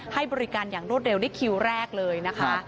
ให้บริการอย่างรวดเร็วได้คิวแรกเลยนะคะ